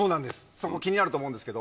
そこ気になると思うんですけど